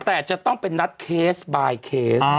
แต่จะต้องเป็นนัดเคสบายเคส